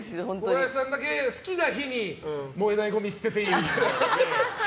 小林さんだけ好きな日に燃えないごみ捨てていいみたいな。